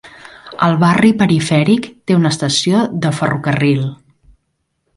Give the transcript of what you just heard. El barri perifèric té una estació de ferrocarril.